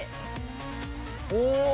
お！